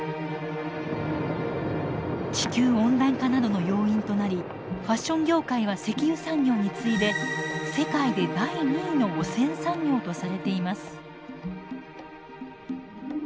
地球温暖化などの要因となりファッション業界は石油産業に次いで世界で第２位の汚染産業とされています。